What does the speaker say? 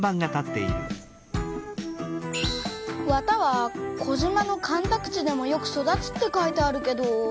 「綿は児島の干拓地でもよく育つ」って書いてあるけど。